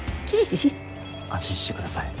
安心して下さい。